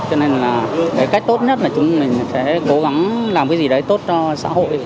cho nên là cái cách tốt nhất là chúng mình sẽ cố gắng làm cái gì đấy tốt cho xã hội